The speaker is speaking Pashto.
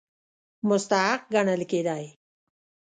مستحق ګڼل کېدی.